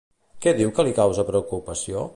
Què diu que li causa preocupació?